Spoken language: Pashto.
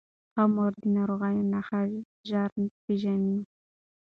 ښه مور د ناروغۍ نښې ژر پیژني.